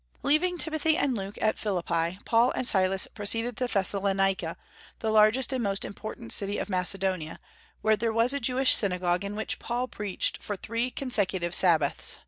Leaving Timothy and Luke at Philippi, Paul and Silas proceeded to Thessalonica, the largest and most important city of Macedonia, where there was a Jewish synagogue in which Paul preached for three consecutive Sabbaths.